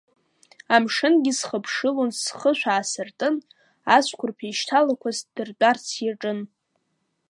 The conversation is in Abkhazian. Амшынгьы схыԥшылон схышә аасыртын, ацәқәырԥ еишьҭалақәа сдырцәарц иаҿын.